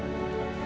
dan ini koper bapak